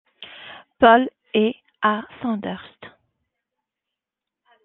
Pauls et à Sandhurst.